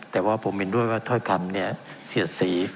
แต่ว่าผมเห็นด้วยว่าถ้อยคำเนี่ยเสียดสี